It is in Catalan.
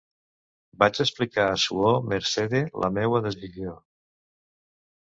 Vaig explicar a suor Mercede la meua decisió.